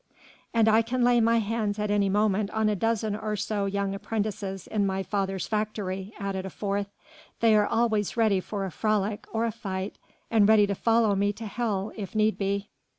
"And I can lay my hand at any moment on a dozen or so young apprentices in my father's factory," added a fourth, "they are always ready for a frolic or a fight and ready to follow me to hell if need be."